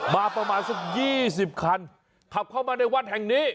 มาประมาณสัก๒๐คันขับเข้ามาในวัดแห่งนี้